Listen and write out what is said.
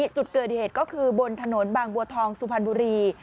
จุดเกิดเหตุก็คือบนถนนบางบัวทองสุพรรณบุรี